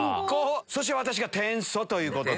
そして私が「天素」ということで。